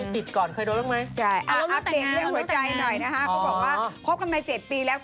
ติดก่อนเคยรู้หรือไม่เอาเรื่องแต่งงานนะฮะเขาบอกว่าพบกันมา๗ปีแล้ว